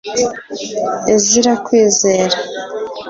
Ezra Kwizera